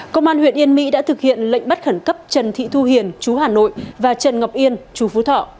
công an huyện yên mỹ đã thực hiện lệnh bắt khẩn cấp trần thị thu hiền chú hà nội và trần ngọc yên chú phú thọ